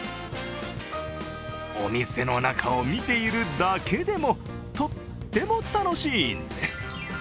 お店の中を見ているだけでも、とっても楽しいんです。